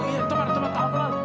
止まった。